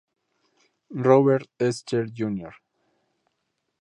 Robert Easter Jr.